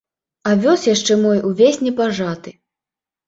Авёс яшчэ мой увесь не пажаты.